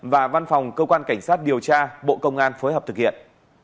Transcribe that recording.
và văn phòng cơ quan cảnh sát điều tra bộ công an phối hợp thực hiện